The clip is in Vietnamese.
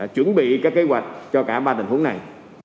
chuẩn bị các kế hoạch cho cả ba tình huống này